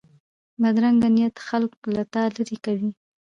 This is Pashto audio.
بدرنګه نیت خلک له تا لرې کوي